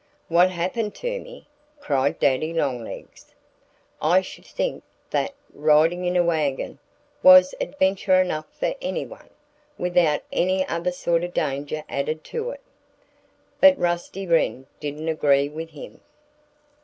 "What happened to me!" cried Daddy Longlegs. "I should think that riding in a wagon was adventure enough for anyone, without any other sort of danger added to it." But Rusty Wren didn't agree with him.